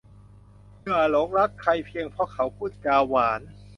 อย่าหลงรักใครเพียงเพราะเขาพูดจาหวาน